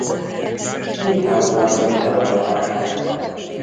Cirkálórajba sorolták.